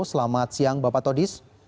selamat siang bapak todis